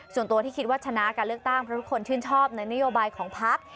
ส่วนตัวที่คิดว่าชนะการเลือกตั้งเพราะทุกคนชื่นชอบในนโยบายของพัก